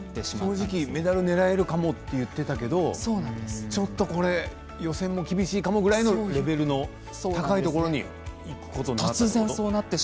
正直メダル狙えるかもと言ってたけどちょっと予選も厳しいかもぐらいのレベルの高いところにいくことになったと。